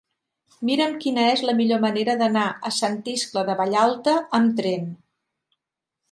Mira'm quina és la millor manera d'anar a Sant Iscle de Vallalta amb tren.